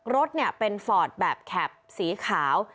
รถเนี่ยเป็นฟอร์ตแบบแคบสีขาว